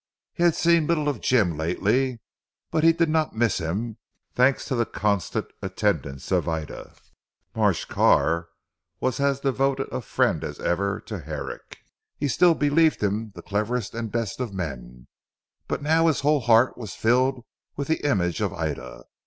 He had seen little of Jim lately, but he did not miss him, thanks to the constant attendance of Ida. Marsh Carr was as devoted a friend as ever to Herrick, he still believed him the cleverest and best of men, but now his whole heart was filled with the image of Ida.